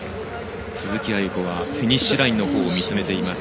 鈴木亜由子がフィニッシュラインの方を見つめています。